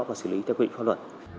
và xử lý theo quy định pháp luật